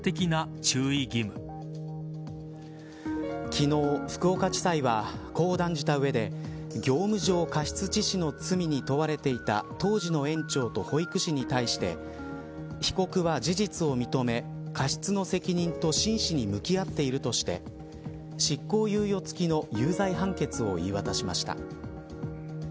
昨日福岡地裁はこう断じた上で業務上過失致死の罪に問われていた当時の園長と保育士に対して被告は事実を認め過失の責任と真摯に向き合っているとして執行猶予付きの有罪判決を言い渡しました。